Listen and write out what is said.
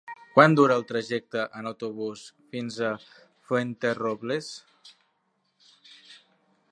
Quant dura el trajecte en autobús fins a Fuenterrobles?